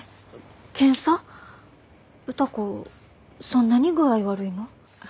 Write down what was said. そんなに具合悪いの？